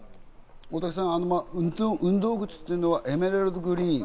大竹さん、運動靴というのはエメラルドグリーン。